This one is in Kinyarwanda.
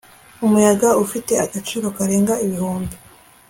umuyaga ufite agaciro karenga ibihumbi